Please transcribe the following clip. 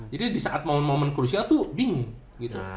jadi disaat momen momen crucial tuh bingin